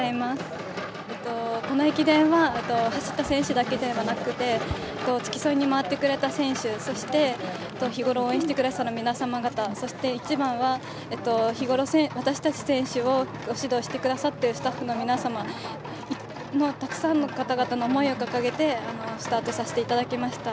この駅伝は走った選手だけではなくて、付き添いに回ってくれた選手、そして日頃、応援してくださる皆様方、そして、一番は日頃私たち選手を指導してくださっているスタッフの皆様、たくさんの方々の思いを掲げてスタートさせていただきました。